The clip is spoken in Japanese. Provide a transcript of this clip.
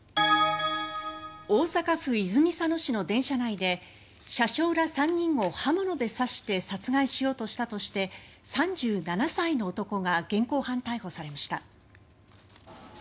大阪府泉佐野市の電車内で車掌ら３人を刃物で刺して殺害しようとしたとして３７歳の男が現行犯逮捕されました。